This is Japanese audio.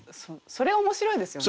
それ面白いですよね。